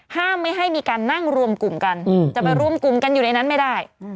ห้ามไม่ให้มีการนั่งรวมกลุ่มกันจะไปรวมกลุ่มกันอยู่ในนั้นไม่ได้